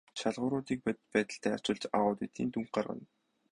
Шалгууруудыг бодит байдалтай харьцуулж аудитын дүнг гаргана.